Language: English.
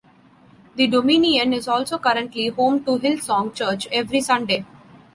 The Dominion is also currently home to Hillsong Church every Sunday.